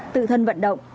tự thân vận động